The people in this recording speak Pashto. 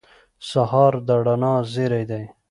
سهار د رڼا زېری دی.